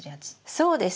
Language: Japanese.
そうです。